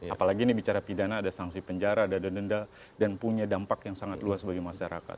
apalagi ini bicara pidana ada sanksi penjara dada denda dan punya dampak yang sangat luas bagi masyarakat